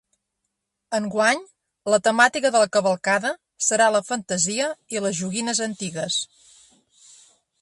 Enguany, la temàtica de la cavalcada serà la fantasia i les joguines antigues.